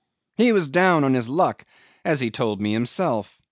'He was down on his luck as he told me himself.